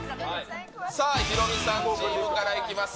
さあヒロミさんチームからいきます。